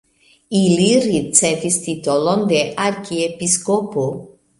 Ili ricevis titolon de arkiepiskopo.